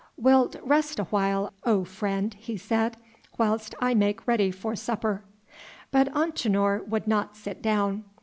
"Wilt rest a while, O friend," he said, "whilst I make ready for supper." But Antinor would not sit down.